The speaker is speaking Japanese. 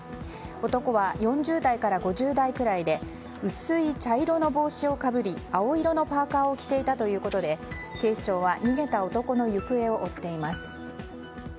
男は４０代から５０代くらいで薄い茶色の帽子をかぶり青色のパーカを着ていたということで警視庁は逃げた男の行方を追っています。